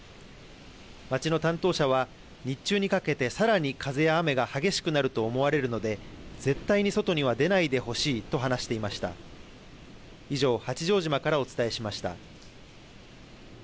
町の担当者は、日中にかけてさらに風や雨が激しくなると思われるので、絶対に外には出ないでほしいと話していました。